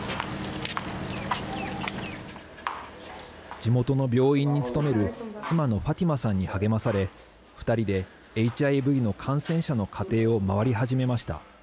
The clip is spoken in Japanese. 地元の病院に勤める妻のファティマさんに励まされ２人でＨＩＶの感染者の家庭を回り始めました。